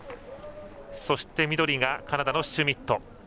そして、緑がカナダのシュミット。